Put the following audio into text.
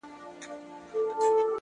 سیاه پوسي ده خاوند یې ورک دی ـ